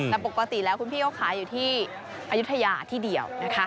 แต่ปกติแล้วคุณพี่เขาขายอยู่ที่อายุทยาที่เดียวนะคะ